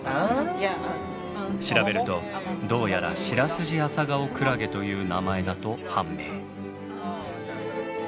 調べるとどうやらシラスジアサガオクラゲという名前だと判明。